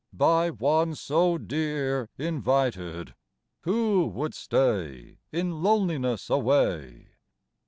By One so dear Invited, who would stay In loneliness away